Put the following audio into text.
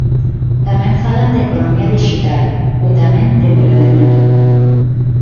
Tamén falan de economía dixital, e tamén de emprendemento.